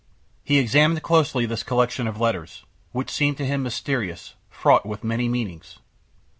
He examined closely this collection of letters, which seemed to him mysterious, fraught with many meanings.